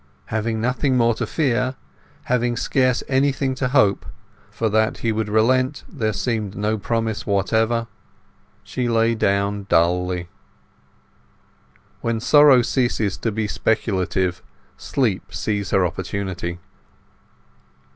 Having nothing more to fear, having scarce anything to hope, for that he would relent there seemed no promise whatever, she lay down dully. When sorrow ceases to be speculative, sleep sees her opportunity.